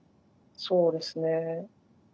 そうですね。